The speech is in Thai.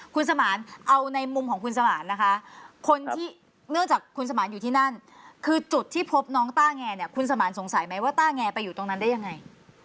คุณสมานเอาในมุมของคุณสมานนะคะคนที่เนื่องจากคุณสมานอยู่ที่นั่นคือจุดที่พบน้องต้าแงเนี่ยคุณสมานสงสัยไหมว่าต้าแงไปอยู่ตรงนั้นได้ยังไง